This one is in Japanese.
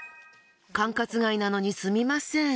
管轄外なのにすみません。